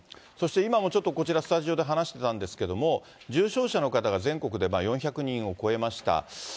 そして今もちょっとこちら、スタジオで話してたんですけれども、重症者の方が全国で４００人を超えました。